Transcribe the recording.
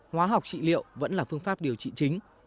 hóa học trị liệu vẫn là phương pháp điều trị chính